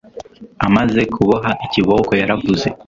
amaze kuboha ikiboko yaravuze